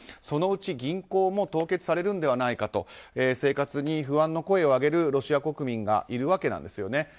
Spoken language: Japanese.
そのうち銀行も凍結されるのではないかと生活に不安の声を上げるロシア国民がいるわけなんですよね。